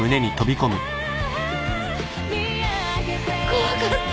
怖かった！